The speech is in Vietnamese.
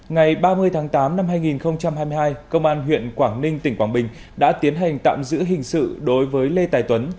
ngày ba mươi tháng tám năm hai nghìn hai mươi hai công an huyện quảng ninh tỉnh quảng bình đã tiến hành tạm giữ hình sự đối với lê tài tuấn